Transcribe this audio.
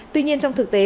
tuy nhiên trong thực tế